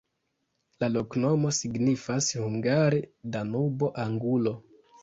La loknomo signifas hungare: Danubo-angulo.